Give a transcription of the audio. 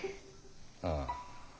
ああ。